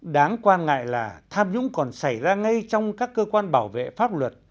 đáng quan ngại là tham nhũng còn xảy ra ngay trong các cơ quan bảo vệ pháp luật